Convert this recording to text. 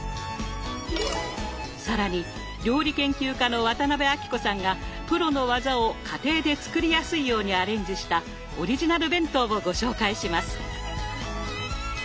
更に料理研究家の渡辺あきこさんがプロの技を家庭で作りやすいようにアレンジしたオリジナル弁当をご紹介します。